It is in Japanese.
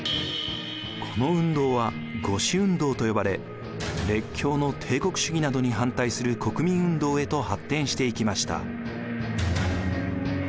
この運動は五・四運動と呼ばれ列強の帝国主義などに反対する国民運動へと発展していきました。